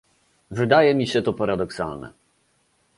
Wydaje mi się to paradoksalne